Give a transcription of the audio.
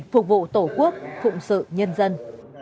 phục vụ tổ quốc phụng sự nhân dân